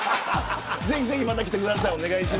ぜひまた来てください